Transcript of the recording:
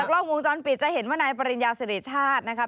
กล้องวงจรปิดจะเห็นว่านายปริญญาสิริชาตินะครับ